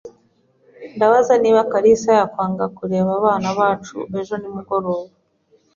Ndabaza niba kalisa yakwanga kurera abana bacu ejo nimugoroba.